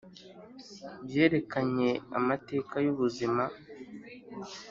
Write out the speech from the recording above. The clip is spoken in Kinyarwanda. byerekanye amateka yubuzima